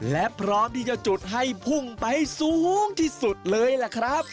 และพร้อมที่จะจุดให้พุ่งไปให้สูงที่สุดเลยล่ะครับ